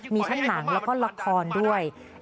มีทั้งหนังแล้วก็ละครด้วย